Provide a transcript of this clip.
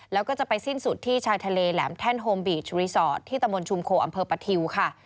แล้วก็จะไปสิ้นสุดที่ชายทะเลแหลมแท่นโฮมบีชรีสอร์ทที่ตะมนชุมโคอำเภอปะทิวค่ะ